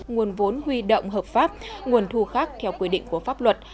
nguồn vốn huy động hợp pháp nguồn thu khác theo quy định của pháp luật